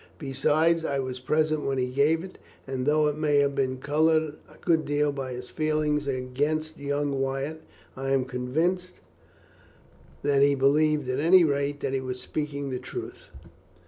Besides, I was present when he gave it, and though it may have been coloured a good deal by his feeling against young Wyatt, I am convinced that he believed, at any rate, that he was speaking the truth."